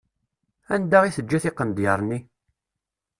Anda i teǧǧa tiqnedyaṛ-nni?